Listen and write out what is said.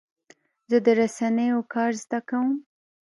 زه د رسنیو کار زده کوم.